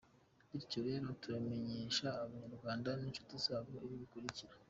Bityo rero turamenyesha abanyarwanda n’incuti zacu ibi bikurikira :